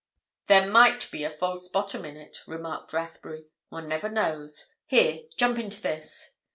"There might be a false bottom in it," remarked Rathbury. "One never knows. Here, jump into this!"